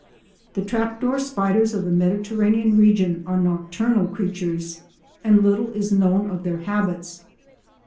The trap door spiders of the Mediterranean region are nocturnal creatures, and little is known of their habits.